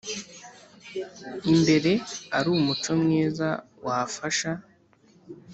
imbere ari umuco mwiza wafasha